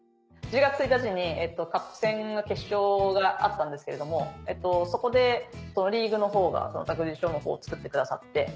１０月１日にカップ戦の決勝があったんですけれどもそこでリーグのほうが託児所を作ってくださって。